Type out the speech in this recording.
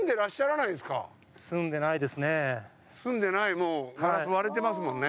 住んでないもう。